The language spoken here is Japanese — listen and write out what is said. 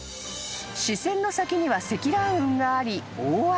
［視線の先には積乱雲があり大雨］